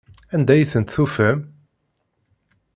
Anda i tent-tufam?